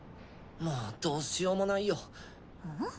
もうどうしようもないよ。